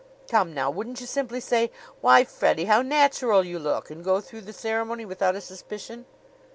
Come, now, wouldn't you simply say, 'Why, Freddie, how natural you look!' and go through the ceremony without a suspicion?"